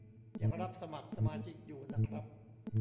ยังรับสมัครสมาชิกอยู่นะครับ